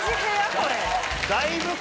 これ。